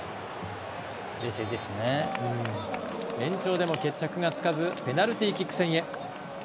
延長でも決着がつかずペナルティーキック戦へ。